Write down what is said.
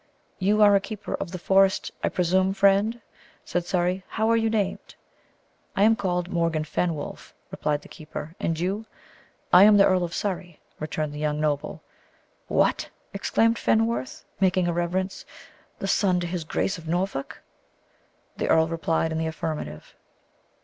"You are a keeper of the forest, I presume, friend?" said Surrey. "How are you named?" "I am called Morgan Fenwolf," replied the keeper; "and you?" "I am the Earl of Surrey;' returned the young noble. "What!" exclaimed Fenwolf, making a reverence, "the son to his grace of Norfolk?" The earl replied in the affirmative.